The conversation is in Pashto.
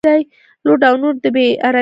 لوډ او نور د بې ارامۍ حالتونه